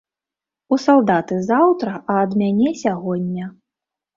У салдаты заўтра, а ад мяне сягоння.